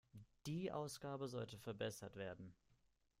Die Ausgabe sollte verbessert werden.